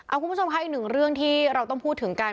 คุณผู้ชมค่ะอีกหนึ่งเรื่องที่เราต้องพูดถึงกัน